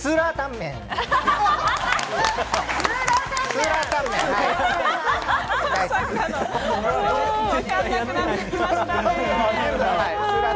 分からなくなってきましたね。